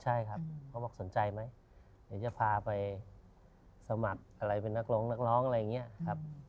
ใช่ครับเขาบอกสนใจไหมเดี๋ยวจะพาไปสมัครอะไรเป็นนักร้องนักร้องอะไรอย่างนี้ครับ